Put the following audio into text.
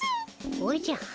おじゃは？